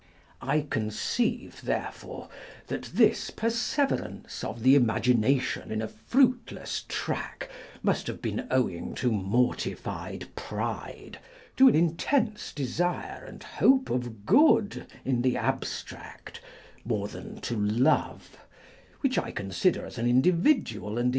I conceive, therefore, that this perseverance of the imagination in a fruitless track must have been owing to mortified pride, to an intense desire and hope of good in the abstract, more than to love, which I consider as an individual and 2S On Dreams.